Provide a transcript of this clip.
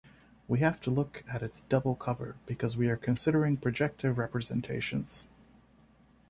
We have to look at its double cover, because we are considering projective representations.